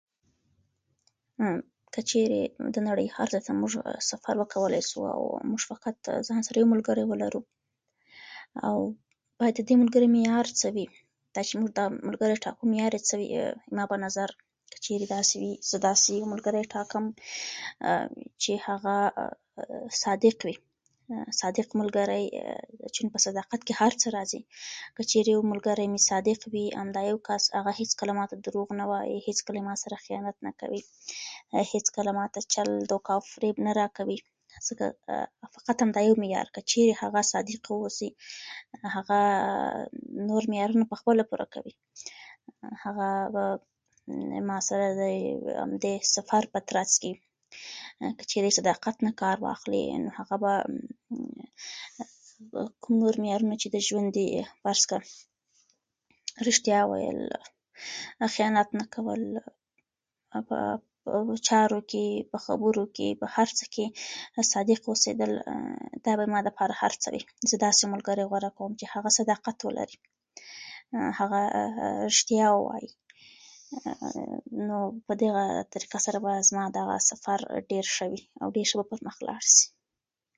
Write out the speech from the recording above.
که چيري موږ د نړۍ هر ځای ته سفر وکولای شو او موږ فقد ځان سره یو ملګری ولرو او باید ددې ملګري معيار څه وي دا چې موږ ټاکو زما په نظر زه داسي یو ملګری ټاکم چې هغه صادقه وي صادق ملګری چون په صداقت کې هر څه راځي که چيري یو ملګری مې صادق وي هغه هيڅ کله ماته دورغ نه وایې هیڅ کله ما سره خیانت نه کوي هيڅ کله ماته چل ،فریب او دوکه نه راکوي ځکه فقد همدا یو معيار که چيري هغه صادقه واوسي هغه نور معیارونه په خپله پوره کوي هغه ما سره د سفر په ترڅ کې که چيري صداقت نه کار واخلي نو هغه به مممم کوم نور معیارونه چې د ژوند دي فرض کړ رښتيا ويل خیانت نه کول مممم په چارو کې په خبرو. کې صادق اوسیدل دا زما لپاره هر څه دي زه داسي ملګری غوره کوم چې هغه صداقت ولري هغه رښتيا ووايې نو په دغه طریقه سره به زما سفر ډیر ښه وي او ښه به پر مخ ولاړ شي